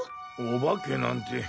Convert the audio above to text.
お化けなんて。